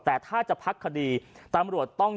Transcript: แต่ถ้าจะพักคดีตำรวจต้อง